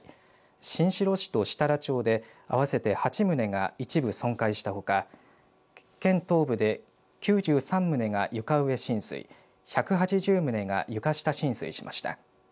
新城市と設楽町で合わせて８棟が一部損壊したほか県東部で９３棟が床上浸水１８０棟が床下浸水しました。